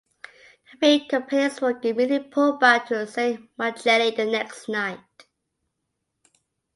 The three companies were immediately pulled back to San Micheli the next night.